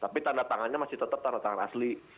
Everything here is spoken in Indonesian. tapi tanda tangannya masih tetap tanda tangan asli